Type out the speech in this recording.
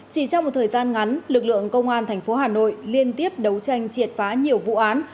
chỉ trong một thời gian ngắn lực lượng công an thành phố hà nội liên tiếp đấu tranh triệt phá nhiều vụ án